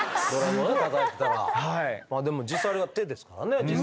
でも実際あれが手ですからね。